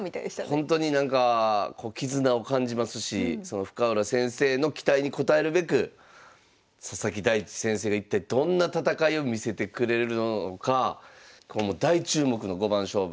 ほんとになんか絆を感じますし深浦先生の期待に応えるべく佐々木大地先生が一体どんな戦いを見せてくれるのか大注目の五番勝負。